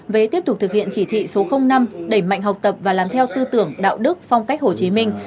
về tiếp tục thực hiện chỉ thị số năm đẩy mạnh học tập và làm theo tư tưởng đạo đức phong cách hồ chí minh